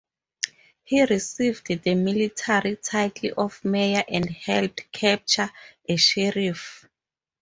He received the military title of Major and helped capture a sheriff.